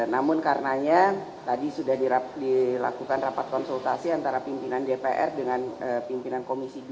namun karenanya tadi sudah dilakukan rapat konsultasi antara pimpinan dpr dengan pimpinan komisi dua